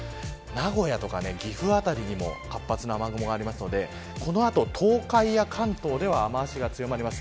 名古屋とか岐阜辺りに活発な雨雲がいますのでこの後、東海や関東では雨脚が強まります。